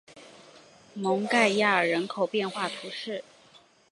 蒙盖亚尔人口变化图示